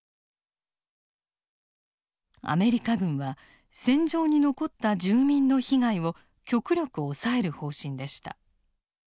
アメリカ軍は戦場に残った住民の被害を極力抑える方針でした。